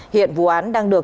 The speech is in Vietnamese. hiện vụ án đang được